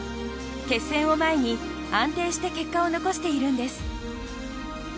決戦を前に、安定して結果を残しているんです。